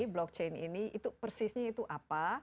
blockchain ini itu persisnya itu apa